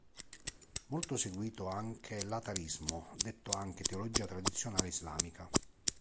Molto seguito anche l'Atharismo, detto anche teologia tradizionale islamica.